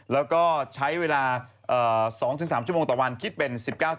แล้วก็ใช้เวลา๒๓ชั่วโมงต่อวันคิดเป็น๑๙